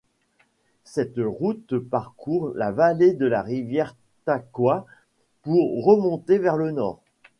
Cette route parcourt la vallée de la rivière Takwa pour remonter vers le Nord.